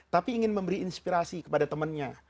tapi ingin memberi inspirasi kepada temannya